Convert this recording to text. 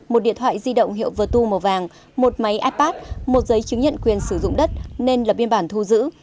một điện thoại di động hiệu virtu màu vàng một máy ipad một giấy chứng nhận quyền sử dụng đất nên là biên bản thu giữ